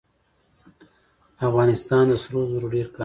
افغانستان د سرو زرو ډیر کانونه لري.